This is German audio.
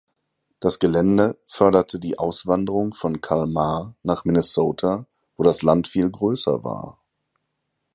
Das Gelände förderte die Auswanderung von Kalmar nach Minnesota, wo das Land viel größer war.